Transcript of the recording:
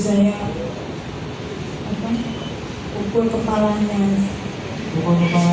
saya juga tidak